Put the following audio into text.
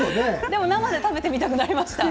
でも生で食べたくなりました。